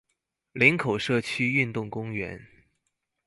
林口社區運動公園